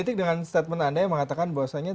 tidak ada yang mengatakan